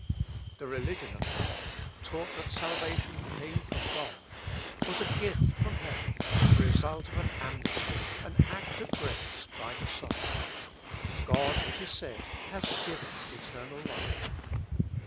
The religion of God taught that salvation came from God, was a gift from heaven, the result of an amnesty, of an act of grace by the Sovereign. "God," it is said, "has given eternal life."